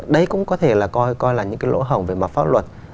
đấy cũng có thể là coi là những cái lỗ hổng về mặt pháp luật